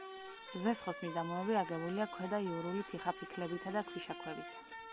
ზესხოს მიდამოები აგებულია ქვედაიურული თიხაფიქლებითა და ქვიშაქვებით.